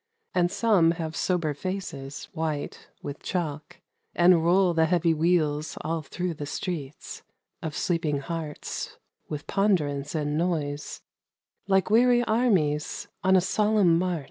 — And some have sober faces white with chalk, And roll the heavy wheels all through the streets Of sleeping hearts, with ponderance and noise Like weary armies on a solemn march.